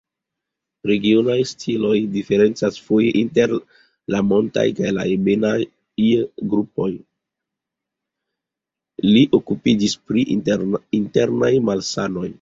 Li okupiĝis pri internaj malsanoj.